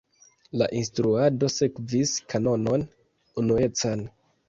La instruado sekvis kanonon unuecan.